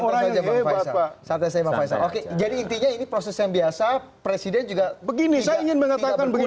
orang yang hebat pak jadi ini proses yang biasa presiden juga begini saya ingin mengatakan begini